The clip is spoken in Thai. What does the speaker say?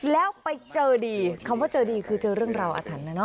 แล้วไปเจอดีคำว่าเจอดีคือเจอเรื่องราวอาถรรพ์นะเน